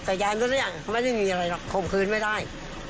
แต่ยายไม่ได้มาเรียงมันไม่ได้มีอะไรหรอกคมขืนไม่ได้